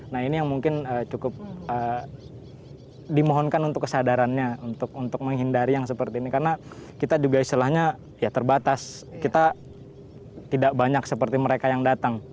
nah ini yang mungkin cukup dimohonkan untuk kesadarannya untuk menghindari yang seperti ini karena kita juga istilahnya ya terbatas kita tidak banyak seperti mereka yang datang